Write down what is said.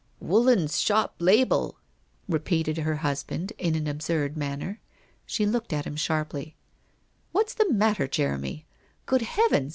.. Woolland's shop label !' repeated her husband, in an absurd manner. She looked at him sharply. 1 What's the matter, Jeremy ? Good heavens